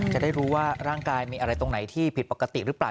จะได้รู้ว่าร่างกายมีอะไรตรงไหนที่ผิดปกติหรือเปล่า